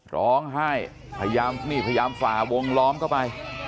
ร้องไห้พยายามฝ่าวงล้อมเข้าไป